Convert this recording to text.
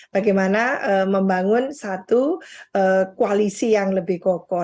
bagaimana membangun satu koalisi yang lebih kokoh